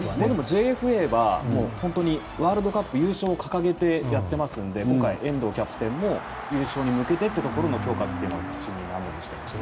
ＪＦＡは本当にワールドカップ優勝を掲げてやっているので今回遠藤キャプテンも優勝に向けての強化だと口にしていました。